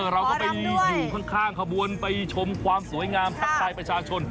เราก็ไปอยู่ข้างขบวนไปชมความสวยงามทักทายประชาชน